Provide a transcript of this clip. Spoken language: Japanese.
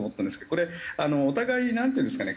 これお互いなんていうんですかね。